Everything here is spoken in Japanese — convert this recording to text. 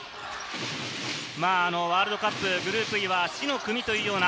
ワールドカップ・グループＥは死の組というような。